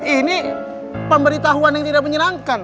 ini pemberitahuan yang tidak menyenangkan